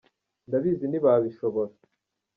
ndabizi ntibabishobora.